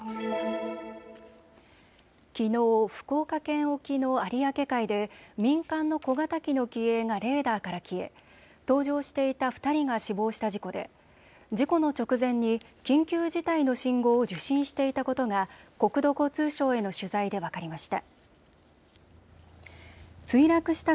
きのう福岡県沖の有明海で民間の小型機の機影がレーダーから消え搭乗していた２人が死亡した事故で事故の直前に緊急事態の信号を受信していたことが国土交通省への取材で分かりました。